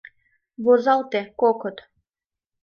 Возалте, кокыт.